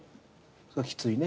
それはきついね。